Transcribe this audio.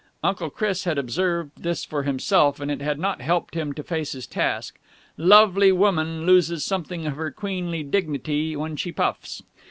Uncle Chris had observed this for himself, and it had not helped him to face his task. Lovely woman loses something of her queenly dignity when she puffs.